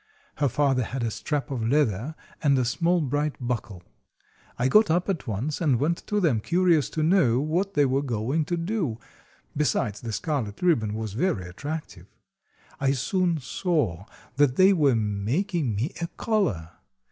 Her father had a strap of leather and a small bright buckle. I got up at once and went to them, curious to know what they were going to do, besides the scarlet ribbon was very attractive. I soon saw that they were making me a collar.